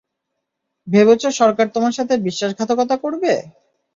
ভেবেছ সরকার তোমার সাথে বিশ্বাসঘাতকতা করবে?